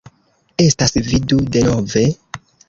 Estas vi du denove?!